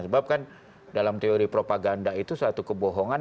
sebab kan dalam teori propaganda itu satu kebohongan